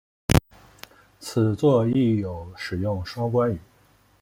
此作亦有使用双关语。